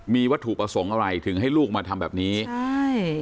มีวัตถุประสงค์อะไรถึงให้ลูกมาทำแบบนี้ใช่